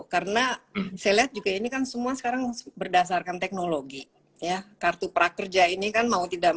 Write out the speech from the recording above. karena seret juga ini kan semua sekarang seberdasarkan teknologi karena kartu prakerja ini kan mau tidak